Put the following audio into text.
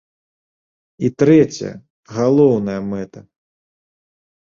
І трэцяя, галоўная мэта.